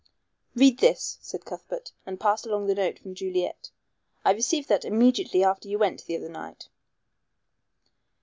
"Read this," said Cuthbert, and passed along the note from Juliet. "I received that immediately after you went the other night."